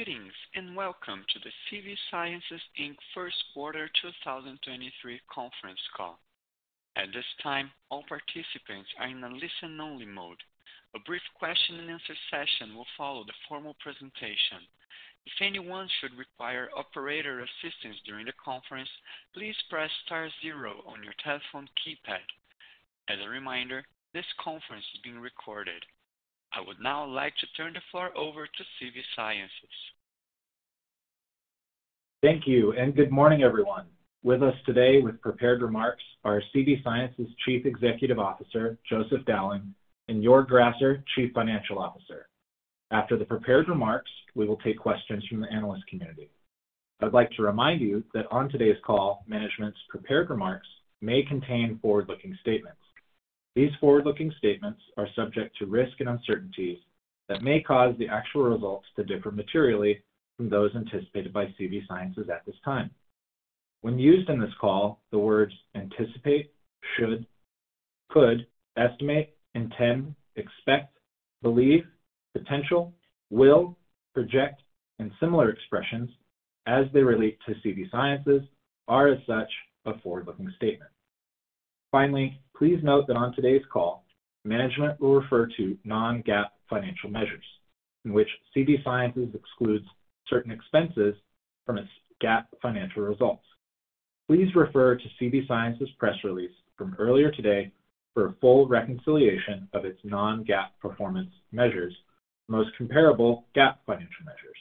Greetings, welcome to the CV Sciences, Inc. first quarter 2023 conference call. At this time, all participants are in a listen-only mode. A brief question and answer session will follow the formal presentation. If anyone should require operator assistance during the conference, please press star zero on your telephone keypad. As a reminder, this conference is being recorded. I would now like to turn the floor over to CV Sciences. Thank you, and good morning, everyone. With us today with prepared remarks are CV Sciences Chief Executive Officer, Joseph Dowling, and Joerg Grasser, Chief Financial Officer. After the prepared remarks, we will take questions from the analyst community. I'd like to remind you that on today's call, management's prepared remarks may contain forward-looking statements. These forward-looking statements are subject to risks and uncertainties that may cause the actual results to differ materially from those anticipated by CV Sciences at this time. When used in this call, the words anticipate, should, could, estimate, intend, expect, believe, potential, will, project, and similar expressions as they relate to CV Sciences are as such a forward-looking statement. Finally, please note that on today's call, management will refer to non-GAAP financial measures in which CV Sciences excludes certain expenses from its GAAP financial results. Please refer to CV Sciences press release from earlier today for a full reconciliation of its non-GAAP performance measures to the most comparable GAAP financial measures.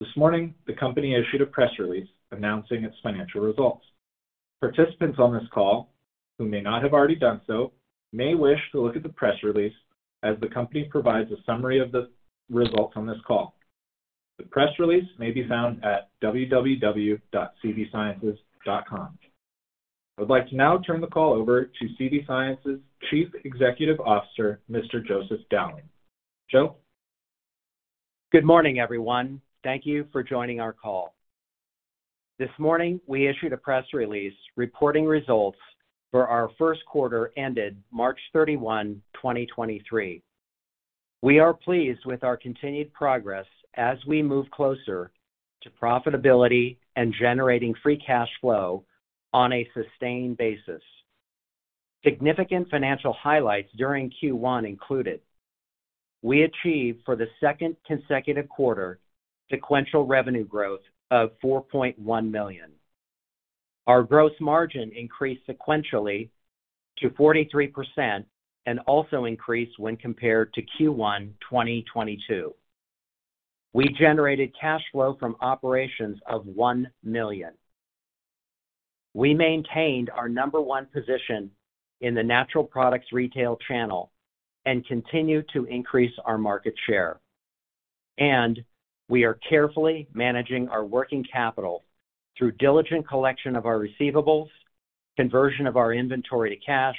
This morning, the company issued a press release announcing its financial results. Participants on this call who may not have already done so may wish to look at the press release as the company provides a summary of the results on this call. The press release may be found at www.cvsciences.com. I would like to now turn the call over to CV Sciences' Chief Executive Officer, Mr. Joseph Dowling. Joe? Good morning, everyone. Thank thank you for joining our call. This morning, we issued a press release reporting results for our first quarter ended March 31, 2023. We are pleased with our continued progress as we move closer to profitability and generating free cash flow on a sustained basis. Significant financial highlights during Q1 included, we achieved for the second consecutive quarter sequential revenue growth of $4.1 million. Our gross margin increased sequentially to 43% and also increased when compared to Q1 2022. We generated cash flow from operations of $1 million. We maintained our number one position in the natural products retail channel and continue to increase our market share. We are carefully managing our working capital through diligent collection of our receivables, conversion of our inventory to cash,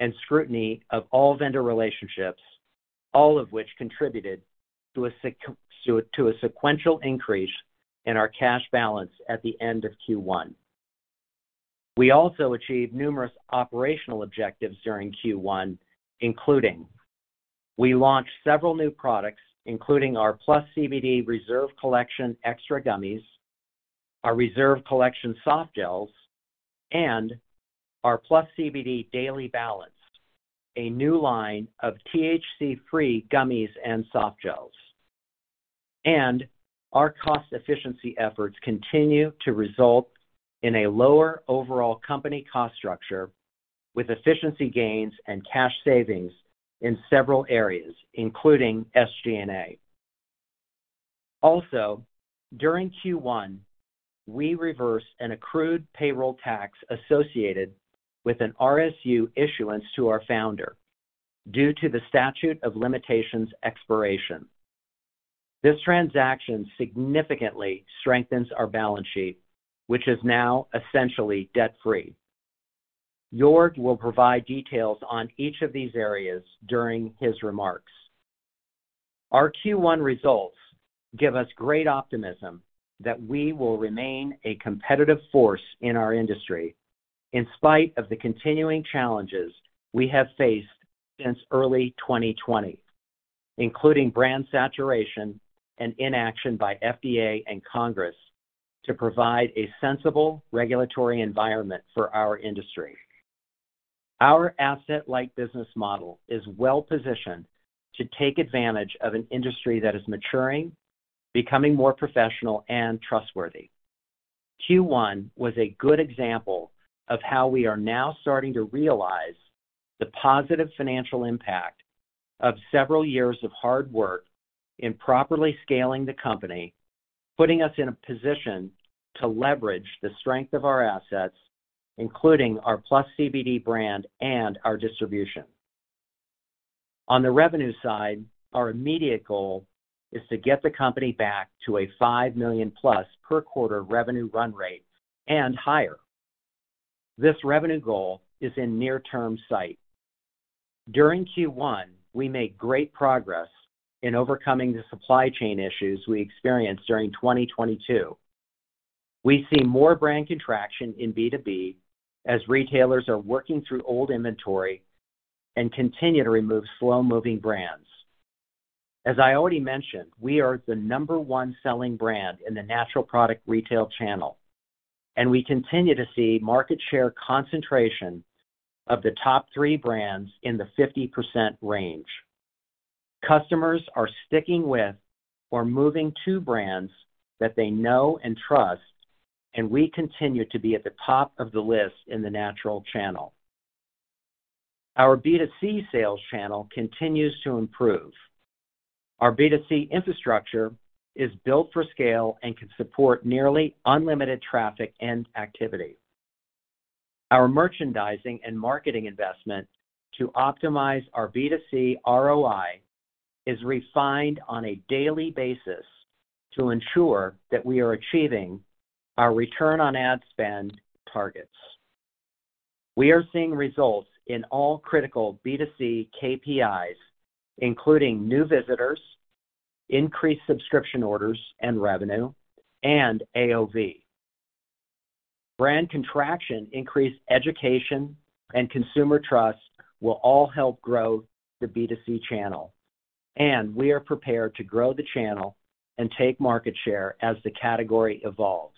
and scrutiny of all vendor relationships, all of which contributed to a sequential increase in our cash balance at the end of Q1. We also achieved numerous operational objectives during Q1, including we launched several new products, including our +PlusCBD Reserve Collection Extra Gummies, our Reserve Collection softgels, and our +PlusCBD Daily Balance, a new line of THC-free gummies and softgels. Our cost efficiency efforts continue to result in a lower overall company cost structure with efficiency gains and cash savings in several areas, including SG&A. Also, during Q1, we reversed an accrued payroll tax associated with an RSU issuance to our founder due to the statute of limitations expiration. This transaction significantly strengthens our balance sheet, which is now essentially debt-free. Joerg will provide details on each of these areas during his remarks. Our Q1 results give us great optimism that we will remain a competitive force in our industry in spite of the continuing challenges we have faced since early 2020, including brand saturation and inaction by FDA and Congress to provide a sensible regulatory environment for our industry. Our asset-light business model is well-positioned to take advantage of an industry that is maturing, becoming more professional and trustworthy. Q1 was a good example of how we are now starting to realize the positive financial impact of several years of hard work in properly scaling the company, putting us in a position to leverage the strength of our assets, including our +PlusCBD brand and our distribution. On the revenue side, our immediate goal is to get the company back to a $5 million-plus per quarter revenue run rate and higher. This revenue goal is in near-term sight. During Q1, we made great progress in overcoming the supply chain issues we experienced during 2022. We see more brand contraction in B2B as retailers are working through old inventory and continue to remove slow-moving brands. As I already mentioned, we are the number one selling brand in the natural product retail channel. We continue to see market share concentration of the top three brands in the 50% range. Customers are sticking with or moving to brands that they know and trust. We continue to be at the top of the list in the natural channel. Our B2C sales channel continues to improve. Our B2C infrastructure is built for scale and can support nearly unlimited traffic and activity. Our merchandising and marketing investment to optimize our B2C ROI is refined on a daily basis to ensure that we are achieving our return on ad spend targets. We are seeing results in all critical B2C KPIs, including new visitors, increased subscription orders and revenue, and AOV. Brand contraction, increased education, and consumer trust will all help grow the B2C channel, and we are prepared to grow the channel and take market share as the category evolves.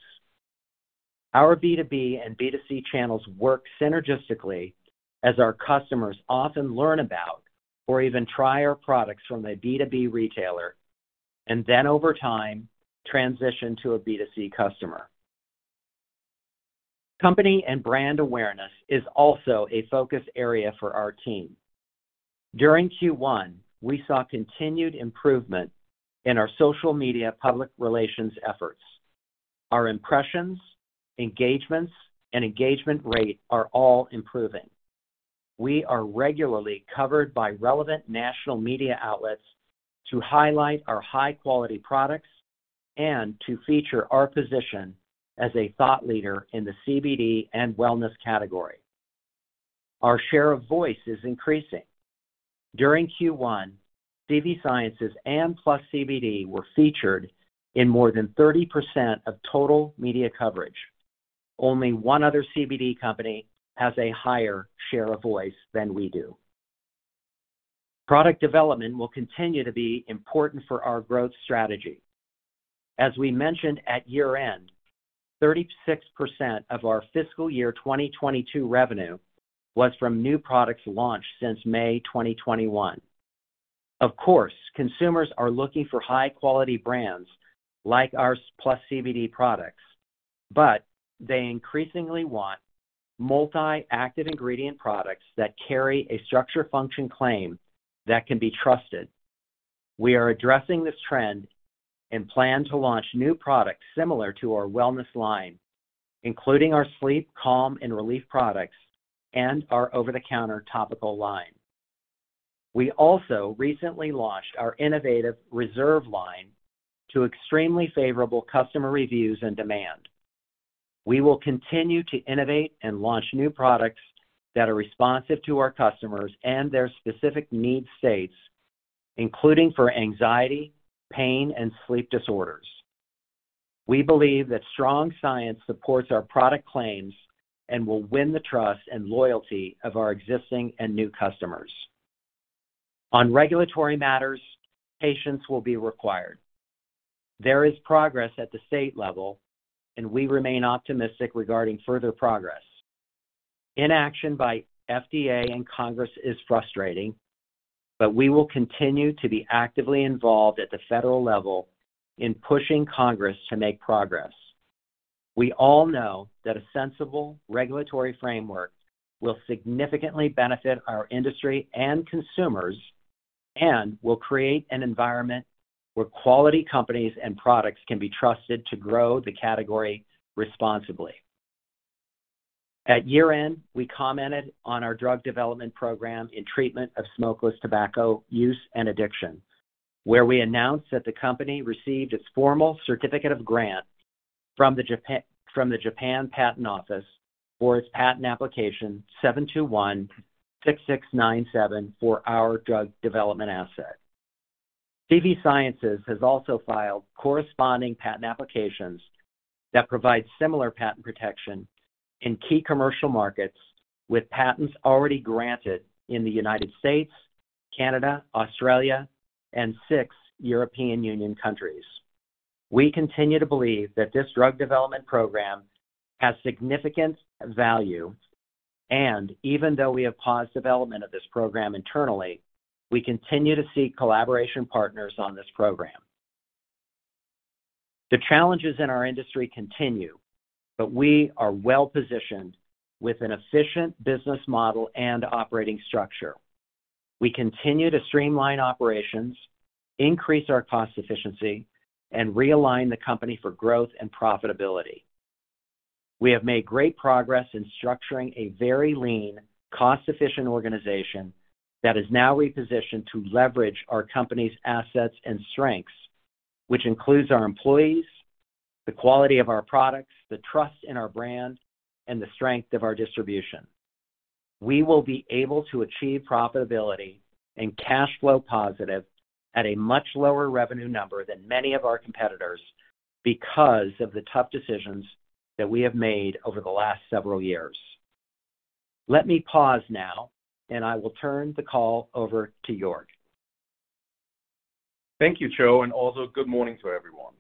Our B2B and B2C channels work synergistically as our customers often learn about or even try our products from a B2B retailer, and then over time, transition to a B2C customer. Company and brand awareness is also a focus area for our team. During Q1, we saw continued improvement in our social media public relations efforts. Our impressions, engagements, and engagement rate are all improving. We are regularly covered by relevant national media outlets to highlight our high-quality products and to feature our position as a thought leader in the CBD and wellness category. Our share of voice is increasing. During Q1, CV Sciences and +PlusCBD were featured in more than 30% of total media coverage. Only one other CBD company has a higher share of voice than we do. Product development will continue to be important for our growth strategy. As we mentioned at year-end, 36% of our fiscal year 2022 revenue was from new products launched since May 2021. Of course, consumers are looking for high-quality brands like our +PlusCBD products, but they increasingly want multi-active ingredient products that carry a structure/function claim that can be trusted. We are addressing this trend and plan to launch new products similar to our wellness line, including our sleep, calm, and relief products and our over-the-counter topical line. We also recently launched our innovative Reserve line to extremely favorable customer reviews and demand. We will continue to innovate and launch new products that are responsive to our customers and their specific need states, including for anxiety, pain, and sleep disorders. We believe that strong science supports our product claims and will win the trust and loyalty of our existing and new customers. On regulatory matters, patience will be required. There is progress at the state level, and we remain optimistic regarding further progress. Inaction by FDA and Congress is frustrating, but we will continue to be actively involved at the federal level in pushing Congress to make progress. We all know that a sensible regulatory framework will significantly benefit our industry and consumers and will create an environment where quality companies and products can be trusted to grow the category responsibly. At year-end, we commented on our drug development program in treatment of smokeless tobacco use and addiction, where we announced that the company received its formal certificate of grant from the Japan Patent Office for its patent application 7216697 for our drug development asset. CV Sciences has also filed corresponding patent applications that provide similar patent protection in key commercial markets with patents already granted in the United States, Canada, Australia, and six European Union countries. We continue to believe that this drug development program has significant value, and even though we have paused development of this program internally, we continue to seek collaboration partners on this program. The challenges in our industry continue. We are well-positioned with an efficient business model and operating structure. We continue to streamline operations, increase our cost efficiency, and realign the company for growth and profitability. We have made great progress in structuring a very lean, cost-efficient organization that is now repositioned to leverage our company's assets and strengths, which includes our employees, the quality of our products, the trust in our brand, and the strength of our distribution. We will be able to achieve profitability and cash flow positive at a much lower revenue number than many of our competitors because of the tough decisions that we have made over the last several years. Let me pause now, and I will turn the call over to Joerg. Thank you, Joe. Good morning to everyone.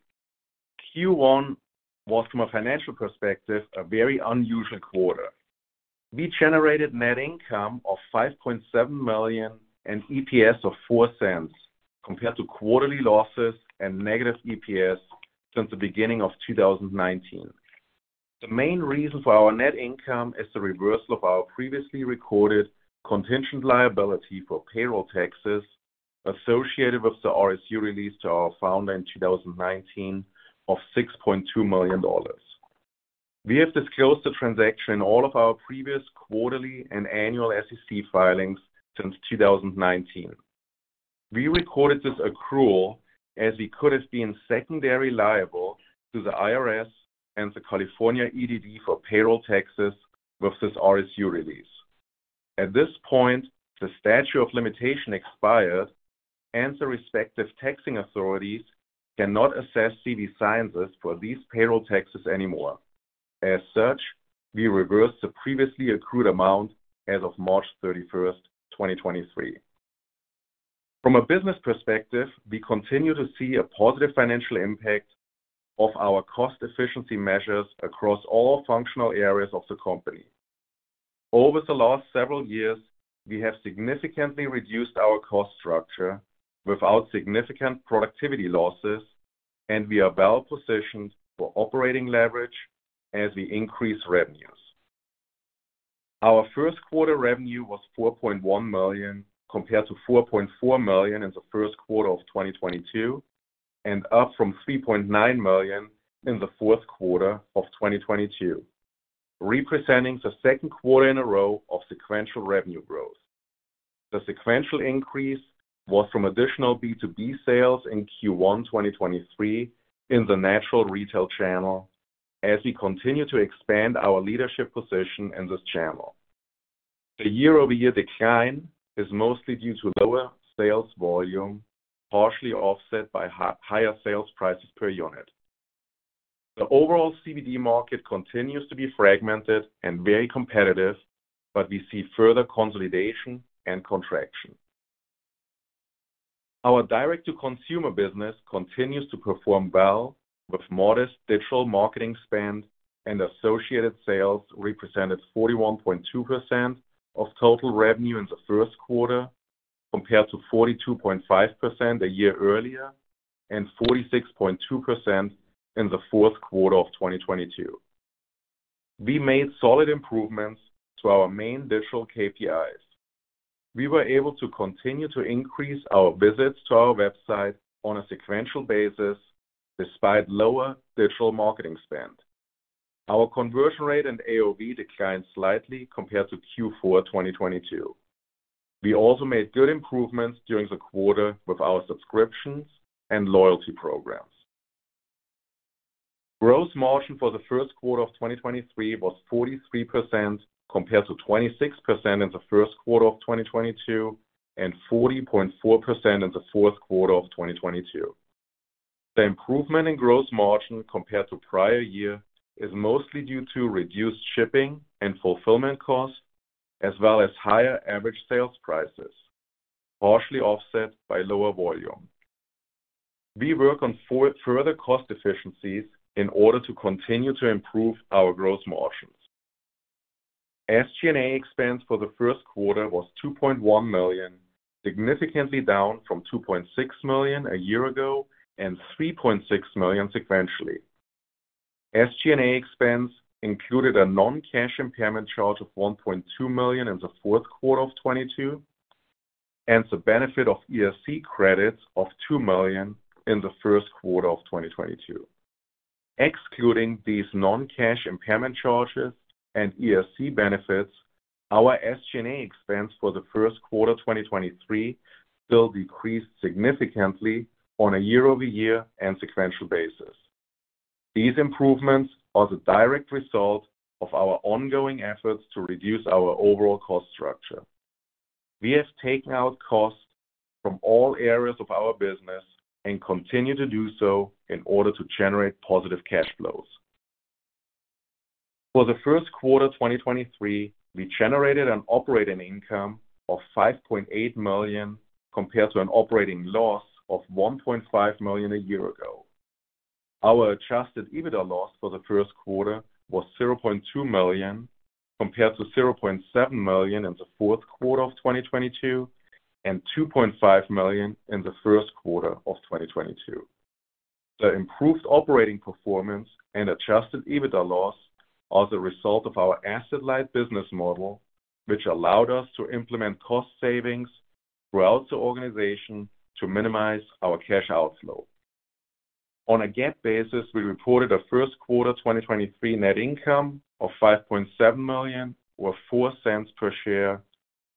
Q1 was, from a financial perspective, a very unusual quarter. We generated net income of $5.7 million and EPS of $0.04 compared to quarterly losses and negative EPS since the beginning of 2019. The main reason for our net income is the reversal of our previously recorded contingent liability for payroll taxes associated with the RSU release to our founder in 2019 of $6.2 million. We have disclosed the transaction in all of our previous quarterly and annual SEC filings since 2019. We recorded this accrual as we could have been secondarily liable to the IRS and the California EDD for payroll taxes with this RSU release. At this point, the statute of limitation expired, and the respective taxing authorities cannot assess CV Sciences for these payroll taxes anymore. As such, we reversed the previously accrued amount as of March 31, 2023. From a business perspective, we continue to see a positive financial impact of our cost efficiency measures across all functional areas of the company. Over the last several years, we have significantly reduced our cost structure without significant productivity losses, and we are well positioned for operating leverage as we increase revenues. Our first quarter revenue was $4.1 million compared to $4.4 million in the first quarter of 2022, and up from $3.9 million in the fourth quarter of 2022, representing the second quarter in a row of sequential revenue growth. The sequential increase was from additional B2B sales in Q1 2023 in the natural retail channel as we continue to expand our leadership position in this channel. The year-over-year decline is mostly due to lower sales volume, partially offset by higher sales prices per unit. The overall CBD market continues to be fragmented and very competitive. We see further consolidation and contraction. Our direct-to-consumer business continues to perform well with modest digital marketing spend and associated sales represented 41.2% of total revenue in the first quarter, compared to 42.5% a year earlier and 46.2% in the fourth quarter of 2022. We made solid improvements to our main digital KPIs. We were able to continue to increase our visits to our website on a sequential basis despite lower digital marketing spend. Our conversion rate and AOV declined slightly compared to Q4 2022. We also made good improvements during the quarter with our subscriptions and loyalty programs. Gross margin for the first quarter of 2023 was 43%, compared to 26% in the first quarter of 2022 and 40.4% in the fourth quarter of 2022. The improvement in gross margin compared to prior year is mostly due to reduced shipping and fulfillment costs, as well as higher average sales prices, partially offset by lower volume. We work on further cost efficiencies in order to continue to improve our gross margins. SG&A expense for the first quarter was $2.1 million, significantly down from $2.6 million a year ago and $3.6 million sequentially. SG&A expense included a non-cash impairment charge of $1.2 million in the fourth quarter of 2022 and the benefit of ERC credits of $2 million in the first quarter of 2022. Excluding these non-cash impairment charges and ERC benefits, our SG&A expense for the first quarter 2023 still decreased significantly on a year-over-year and sequential basis. These improvements are the direct result of our ongoing efforts to reduce our overall cost structure. We have taken out costs from all areas of our business and continue to do so in order to generate positive cash flows. For the first quarter 2023, we generated an operating income of $5.8 million, compared to an operating loss of $1.5 million a year ago. Our adjusted EBITDA loss for the first quarter was $0.2 million, compared to $0.7 million in the fourth quarter of 2022 and $2.5 million in the first quarter of 2022. The improved operating performance and adjusted EBITDA loss are the result of our asset-light business model, which allowed us to implement cost savings throughout the organization to minimize our cash outflow. On a GAAP basis, we reported a first quarter 2023 net income of $5.7 million, or $0.04 per share,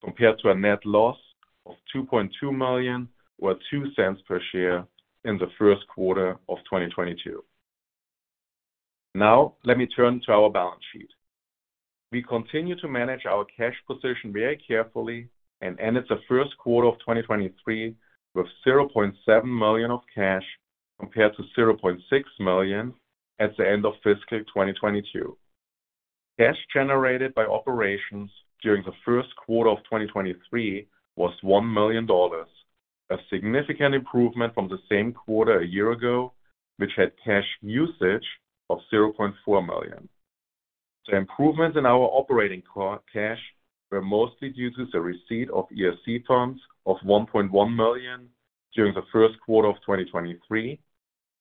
compared to a net loss of $2.2 million, or $0.02 per share in the first quarter of 2022. Now let me turn to our balance sheet. We continue to manage our cash position very carefully and ended the first quarter of 2023 with $0.7 million of cash compared to $0.6 million at the end of fiscal 2022. Cash generated by operations during the first quarter of 2023 was $1 million, a significant improvement from the same quarter a year ago, which had cash usage of $0.4 million. The improvements in our operating cash were mostly due to the receipt of ERC funds of $1.1 million during the first quarter of 2023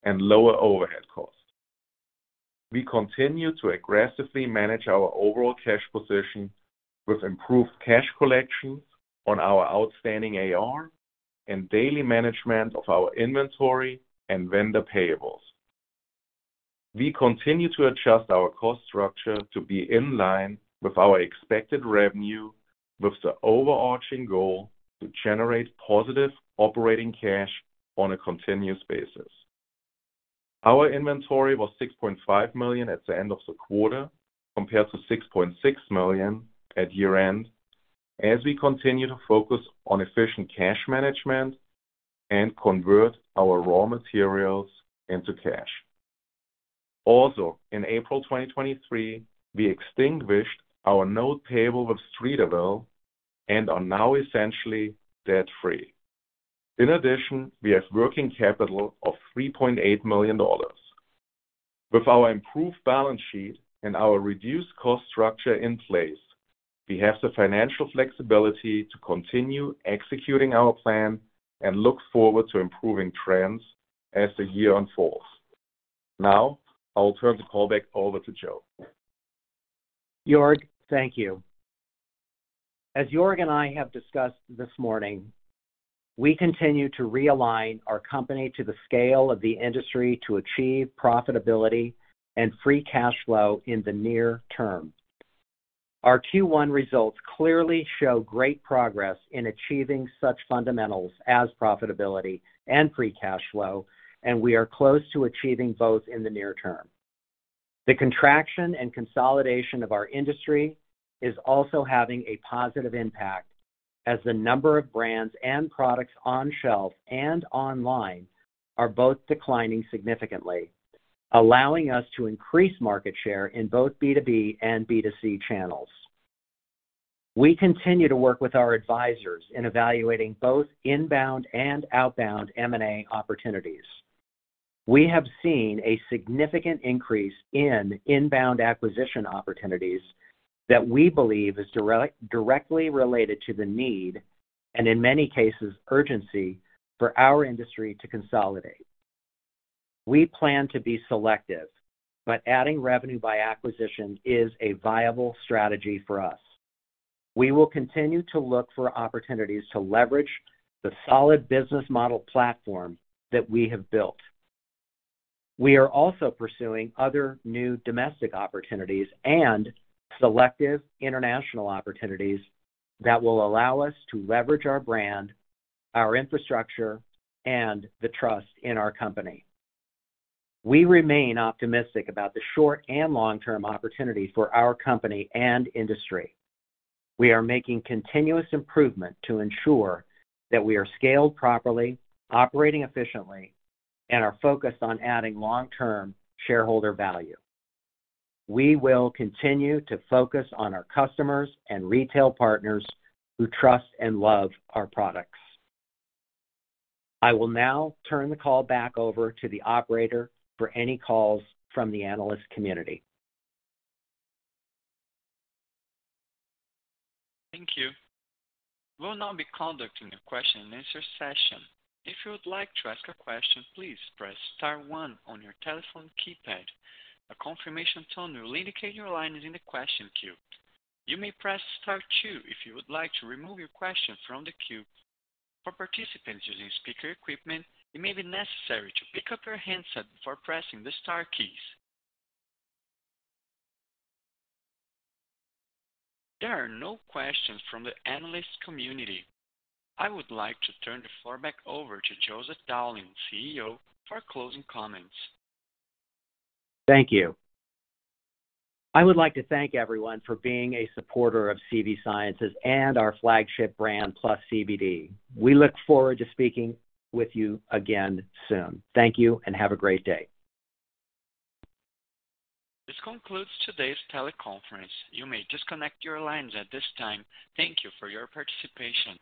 and lower overhead costs. We continue to aggressively manage our overall cash position with improved cash collections on our outstanding AR and daily management of our inventory and vendor payables. We continue to adjust our cost structure to be in line with our expected revenue with the overarching goal to generate positive operating cash on a continuous basis. Our inventory was $6.5 million at the end of the quarter compared to $6.6 million at year-end as we continue to focus on efficient cash management and convert our raw materials into cash. In April 2023, we extinguished our note payable with Streeterville and are now essentially debt-free. We have working capital of $3.8 million. With our improved balance sheet and our reduced cost structure in place, we have the financial flexibility to continue executing our plan and look forward to improving trends as the year unfolds. I will turn the call back over to Joe. Joerg, thank you. As Joerg and I have discussed this morning, we continue to realign our company to the scale of the industry to achieve profitability and free cash flow in the near term. Our Q1 results clearly show great progress in achieving such fundamentals as profitability and free cash flow. We are close to achieving both in the near term. The contraction and consolidation of our industry is also having a positive impact, as the number of brands and products on shelf and online are both declining significantly, allowing us to increase market share in both B2B and B2C channels. We continue to work with our advisors in evaluating both inbound and outbound M&A opportunities. We have seen a significant increase in inbound acquisition opportunities that we believe is directly related to the need, and in many cases, urgency for our industry to consolidate. We plan to be selective. Adding revenue by acquisition is a viable strategy for us. We will continue to look for opportunities to leverage the solid business model platform that we have built. We are also pursuing other new domestic opportunities and selective international opportunities that will allow us to leverage our brand, our infrastructure, and the trust in our company. We remain optimistic about the short and long-term opportunities for our company and industry. We are making continuous improvement to ensure that we are scaled properly, operating efficiently, and are focused on adding long-term shareholder value. We will continue to focus on our customers and retail partners who trust and love our products. I will now turn the call back over to the operator for any calls from the analyst community. Thank you. We'll now be conducting a question-and-answer session. If you would like to ask a question, please press star one on your telephone keypad. A confirmation tone will indicate your line is in the question queue. You may press star two if you would like to remove your question from the queue. For participants using speaker equipment, it may be necessary to pick up your handset for pressing the star keys. There are no questions from the analyst community. I would like to turn the floor back over to Joseph Dowling, CEO, for closing comments. Thank you. I would like to thank everyone for being a supporter of CV Sciences and our flagship brand, +PlusCBD. We look forward to speaking with you again soon. Thank you and have a great day. This concludes today's teleconference. You may disconnect your lines at this time. Thank you for your participation.